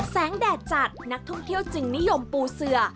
แดดจัดนักท่องเที่ยวจึงนิยมปูเสือ